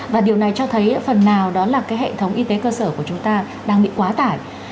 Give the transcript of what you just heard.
và điều này cho thấy phần nào đó là cái hệ thống y tế cơ sở của chúng ta đang bị quá tải